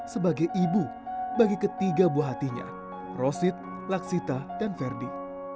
sebagai ibu bagi ketiga buah hatinya rosid laksita dan verdi